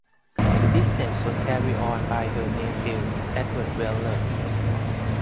The business was carried on by her nephew Edward Weller.